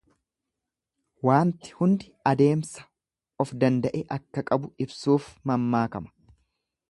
Waanti hundi adeemsa of danda'e akka qabu ibsuuf mammaakama.